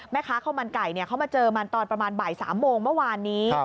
แม่ค้าข้าวมันไก่เขามาเจอมันตอนประมาณบ่าย๓โมงเมื่อวานนี้